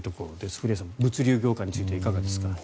古屋さん、物流業界についてはいかがですか？